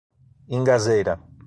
Ingazeira